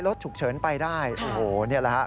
รถฉุกเฉินไปได้โอ้โหนี่แหละฮะ